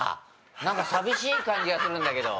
何か寂しい感じがするんだけど。